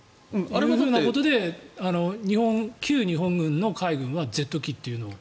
そういうことで旧日本軍の海軍はゼット機というのを。